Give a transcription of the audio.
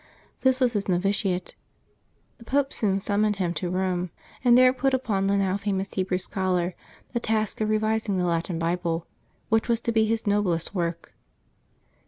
This was his novitiate. The Pope soon summoned him to Rome, and there put upon the now famous Hebrew scholar the task of revising the Latin Bible, which was to be his noblest work.